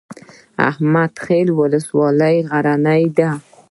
احمد خیل ولسوالۍ غرنۍ ده؟